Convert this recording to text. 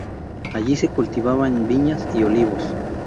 Allí se cultivaban viñas y olivos.